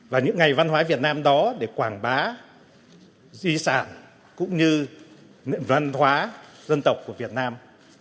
và những ngày văn hóa việt nam đó để quảng bá di sản cũng như văn hóa dân tộc của việt nam